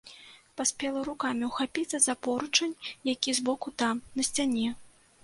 Паспела рукамі ўхапіцца за поручань, які з боку там, на сцяне.